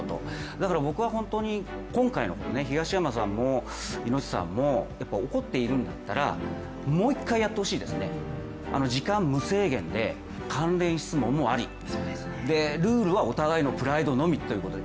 だから僕は本当に今回の東山さんもイノッチさんも怒っているんだったらもう一回やってほしいですね、時間無制限で、関連質問もありで、ルールはお互いのプライドのみということで。